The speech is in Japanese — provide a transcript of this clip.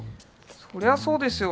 そりゃそうですよ。